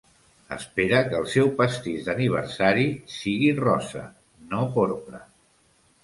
Espera que el seu pastís d'aniversari sigui rosa, no porpra.